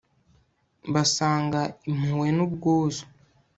basanga impuhwe n'ubwuzu